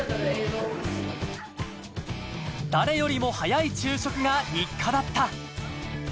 誰よりも早い昼食が日課だった。